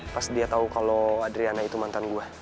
pas dia tau kalo adriana itu mantan gue